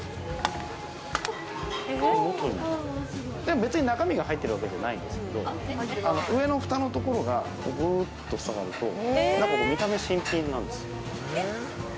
別に中身が入ってるわけじゃないですけど上のふたのところが触ると見た目新品なんですよ。